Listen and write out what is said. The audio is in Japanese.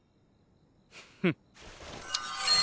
フッ。